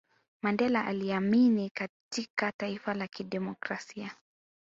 mandela aliamini katika taifa la kidemokrasia